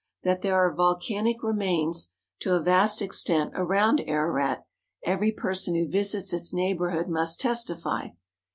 That there are volcanic remains, to a vast extent, around Ararat, every person wdio visits its neighbourhood must testify; MOUNT ARARAT.